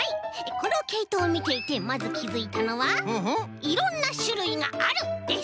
このけいとをみていてまずきづいたのは「いろんなしゅるいがある」です！